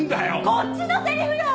こっちのセリフよ！